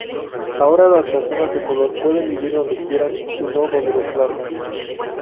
Ahora las personas de color pueden vivir donde quieren y no donde los plantan.